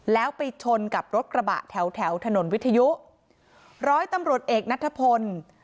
แล้วไปชนกับรถกระบะแถวแถวถนนวิทยุร้อยตำรวจเอกนัทพล